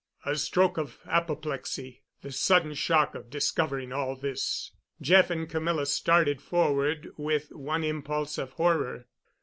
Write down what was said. "A stroke of apoplexy—the sudden shock of discovering all this." Jeff and Camilla started forward with one impulse of horror.